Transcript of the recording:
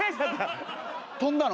飛んだの。